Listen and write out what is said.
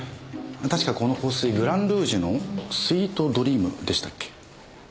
確かこの香水グランルージュのスイートドリームでしたっけ？